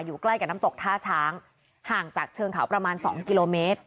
ใกล้กับน้ำตกท่าช้างห่างจากเชิงเขาประมาณ๒กิโลเมตร